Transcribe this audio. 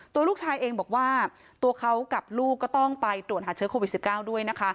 ตัวลูกชายเองบอกว่าตัวเขากับลูกก็ต้องไปตรวจหาเชื้อโควิด๑๙ด้วยนะคะ